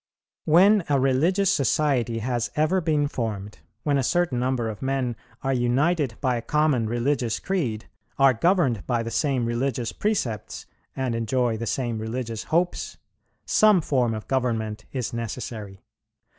"When a religious society has ever been formed, when a certain number of men are united by a common religious creed, are governed by the same religious precepts, and enjoy the same religious hopes, some form of government is necessary.